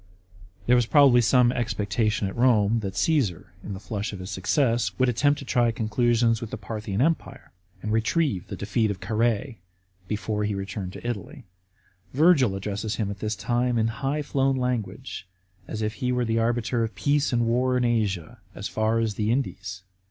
* There was probably some expecta tion at Rome that Csesar, in the flush of his success, would attempt to try conclusions with the Parthian Empire, and retrieve the defeat of Carrh.ie, before he returned to Italy. Virgil addresses him at this time in high flown language, as if he were the arbiter of peace and war in Asia,f as far as the Indies.